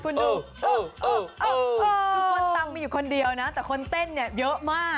ทุกคนตามไม่อยู่คนเดียวนะแต่คนเต้นเยอะมาก